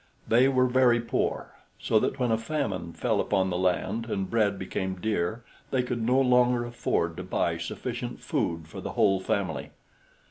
They were very poor, so that when a famine fell upon the land, and bread became dear, they could no longer afford to buy sufficient food for the whole family.